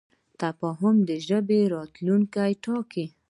تفاهم د ژبې راتلونکی ټاکي.